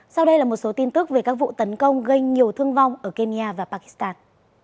sau đây là một số tin tức về các vụ tấn công gây nhiều thương vong ở kenya và pakistan